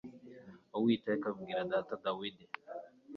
auwiteka abwira data dawidi